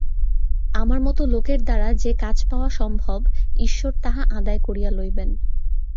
আমার মতো লোকের দ্বারা যে কাজ পাওয়া সম্ভব ঈশ্বর তাহা আদায় করিয়া লইবেন।